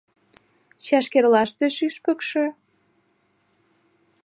Чашкерлаште шӱшпыкшӧ?